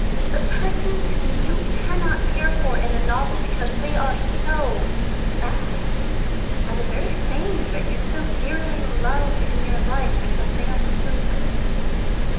The persons whom you cannot care for in a novel, because they are so bad, are the very same that you so dearly love in your life, because they are so good.